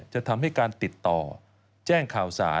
จะทำให้การติดต่อแจ้งข่าวสาร